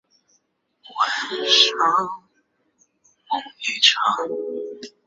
厦门大学刘海峰则认为博饼从北方流行过的状元筹演化而来。